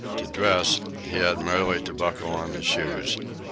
To dress, he had merely to buckle on his shoes.